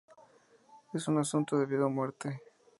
Es un asunto de vida o muerte.